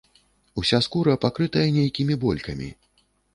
Уся скура пакрытая нейкімі болькамі.